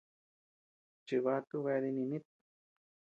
Chibatu bea dinínit.